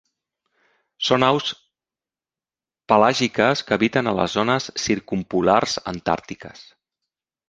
Són aus pelàgiques que habiten a les zones circumpolars antàrtiques.